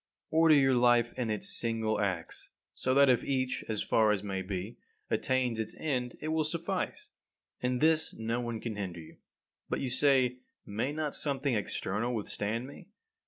32. Order your life in its single acts, so that if each, as far as may be, attains its end, it will suffice. In this no one can hinder you. But, you say, may not something external withstand me?